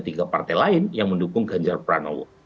tiga partai lain yang mendukung ganjar pranowo